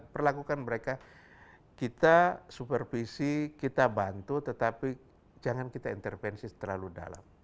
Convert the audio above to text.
perlakukan mereka kita supervisi kita bantu tetapi jangan kita intervensi terlalu dalam